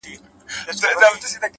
څنگه دي هېره كړمه’